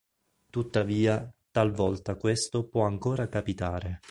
Tuttavia, talvolta questo può ancora capitare.